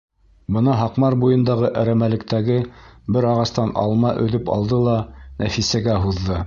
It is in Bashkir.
Бына һаҡмар буйындағы әрәмәлектәге бер ағастан алма өҙөп алды ла Нәфисәгә һуҙҙы.